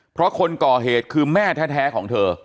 เพราะคนก่อเหตุคือแม่แท้ของเธอ